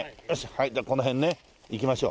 はいじゃあこの辺ねいきましょうはい。